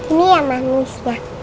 ini yang manis ya